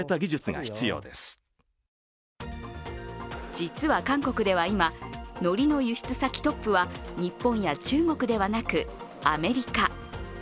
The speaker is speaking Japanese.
実は韓国では今、のりの輸出先トップは日本や中国ではなく、アメリカ。